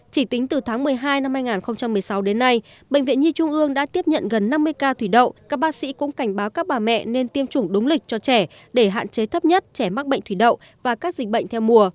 chỉ tính từ tháng một mươi hai năm hai nghìn một mươi sáu đến nay bệnh viện nhi trung ương đã tiếp nhận gần năm mươi ca thủy đậu các bác sĩ cũng cảnh báo các bà mẹ nên tiêm chủng đúng lịch cho trẻ để hạn chế thấp nhất trẻ mắc bệnh thủy đậu và các dịch bệnh theo mùa